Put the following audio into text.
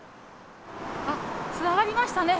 あっ、つながりましたね。